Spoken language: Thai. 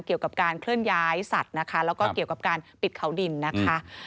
เกี่ยวกับการเคลื่อนย้ายสัตว์นะคะแล้วก็เกี่ยวกับการปิดเขาดินนะคะ